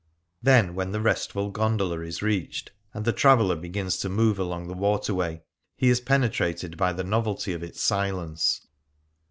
Then when the restful gondola is reached, and the traveller begins to 21 Things Seen in Venice move along the waterway, he is penetrated by the novelty of its silence.